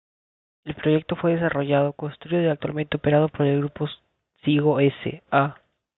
El proyecto fue desarrollado, construido y actualmente operado por el Grupo Sigo S. A..